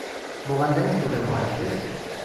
Woran denkst du, wenn du einschläfst?